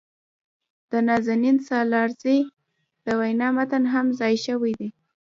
د نازنین سالارزي د وينا متن هم ځای شوي دي.